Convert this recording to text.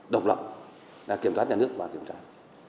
độc lập là kiểm toán nhà nước và kiểm tra